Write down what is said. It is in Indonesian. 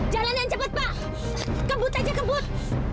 jalan yang cepat pak kebut aja kebut